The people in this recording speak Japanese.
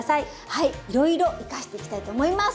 はいいろいろ生かしていきたいと思います。